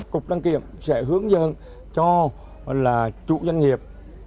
cục đăng kiểm sẽ hướng dẫn cho là chủ doanh nghiệp